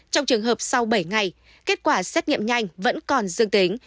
trong trường hợp sau bảy ngày kết quả xét nghiệm nhanh vẫn còn dương tính